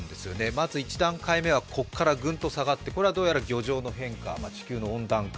まず１段階目はここからぐんと下がって、ここはどうやら漁場の変化、地球の温暖化。